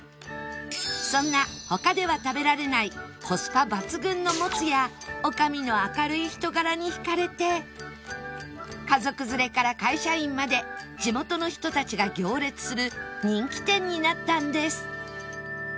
そんな他では食べられないコスパ抜群のもつや女将の明るい人柄に引かれて家族連れから会社員まで地元の人たちが行列する人気店になったんです